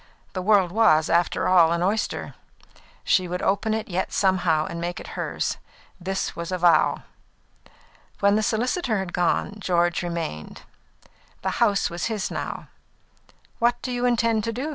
The world was, after all, an oyster; she would open it yet somehow and make it hers; this was a vow. When the solicitor had gone, George remained. The house was his house now. "What do you intend to do?"